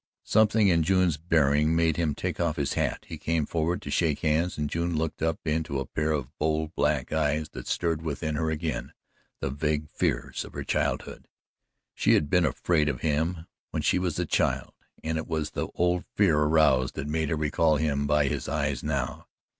Something in June's bearing made him take off his hat; he came forward to shake hands, and June looked up into a pair of bold black eyes that stirred within her again the vague fears of her childhood. She had been afraid of him when she was a child, and it was the old fear aroused that made her recall him by his eyes now.